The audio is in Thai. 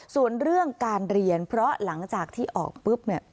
ส่วนเรื่องการเรียนเพราะหลังจากที่ออกปุ๊บเนี่ย